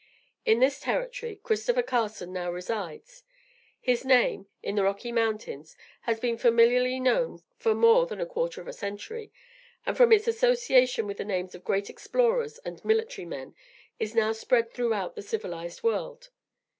In this Territory, Christopher Carson now resides. His name, in the Rocky Mountains, has been familiarly known for more than a quarter of a century; and, from its association with the names of great explorers and military men, is now spread throughout the civilized world.